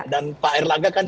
dan pak erlangga kan